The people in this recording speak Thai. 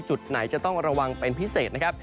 จุดไหนจะต้องระวังเป็นพิเศษนะครับ